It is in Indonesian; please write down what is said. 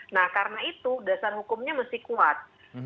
nah karena itu dasar hukumnya mesti kuat